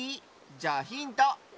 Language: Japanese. じゃあヒント！